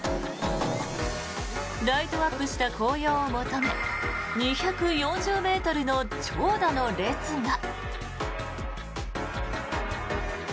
ライトアップした紅葉を求め２４０ｍの長蛇の列が。